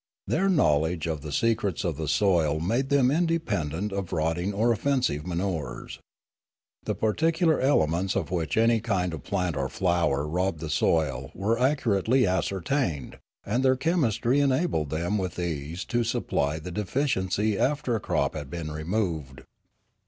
Their knowledge of the secrets of the soil made them independent of rotting or offensi ve manures. The particular elements of which any kind of plant or flower robbed the soil were ac curately ascertained, and their chemistry enabled them with ease to supply the deficiency after a crop had been removed.